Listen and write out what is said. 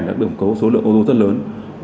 đã được cầm cố số lượng ô tô rất lớn